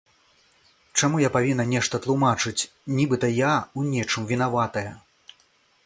Чаму я павінна нешта тлумачыць, нібыта я ў нечым вінаватая?